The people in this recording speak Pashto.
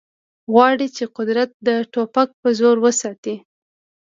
غواړي چې قدرت د ټوپک په زور وساتي